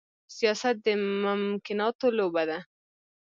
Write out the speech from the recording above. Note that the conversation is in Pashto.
سياست د ممکناتو لوبه ده.